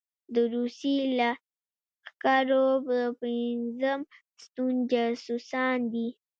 د روسي لښکرو د پېنځم ستون جاسوسان دي.